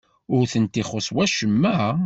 Ur tent-ixuṣṣ wacemma?